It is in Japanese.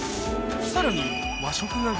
さらに